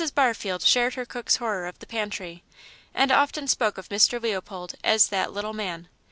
Barfield shared her cook's horror of the pantry, and often spoke of Mr. Leopold as "that little man."